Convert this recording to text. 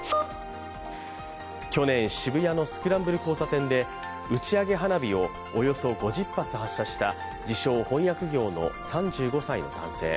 去年、渋谷のスクランブル交差点で打ち上げ花火をおよそ５０発発射した自称・翻訳業の３５歳の男性。